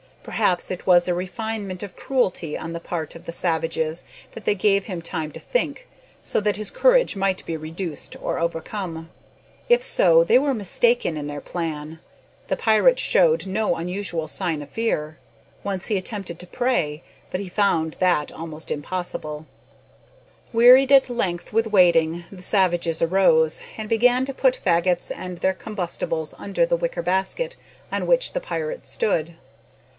Perhaps it was a refinement of cruelty on the part of the savages that they gave him time to think, so that his courage might be reduced or overcome. If so, they were mistaken in their plan. The pirate showed no unusual sign of fear. Once he attempted to pray, but he found that almost impossible. Wearied at length with waiting, the savages arose, and began to put fagots and other combustibles under the wicker basket on which the pirate stood.